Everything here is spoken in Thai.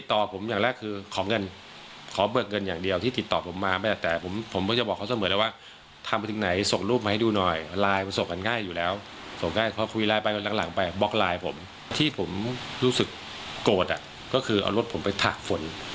ตอนที่ฉันรู้สึกโกรธเอารถไปตากฝน